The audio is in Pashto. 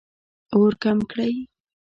اور کم کړئ